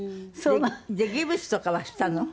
でギプスとかはしたの？